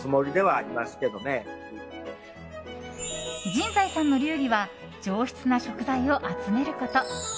神在さんの流儀は上質な食材を集めること。